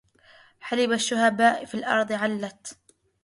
حلب الشهباء في الارض علت